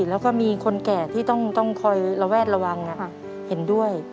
แล้วก็มีคนแก่ที่ต้องคอยระแวดระวังเห็นด้วย